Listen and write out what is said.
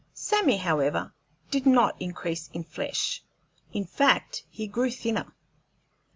Sammy, however, did not increase in flesh; in fact, he grew thinner.